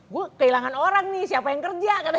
gue kehilangan orang nih siapa yang kerja katanya